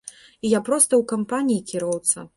І я проста ў кампаніі кіроўца.